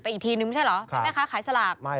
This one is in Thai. ไปอีกทีนึงใช่หรือ